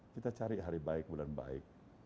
kita cari hari baik bulan baik